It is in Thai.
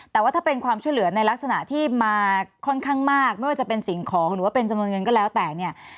แต่ว่าถ้าเป็นความช่วยเหลือในลักษณะที่มาค่อนข้างมากไม่ว่าจะเป็นสิ่งของหรือว่าเป็นจำนวนเงินก็แล้วแต่เนี่ย